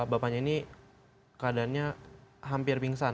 bapaknya ini keadaannya hampir pingsan